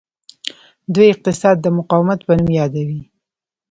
دوی اقتصاد د مقاومت په نوم یادوي.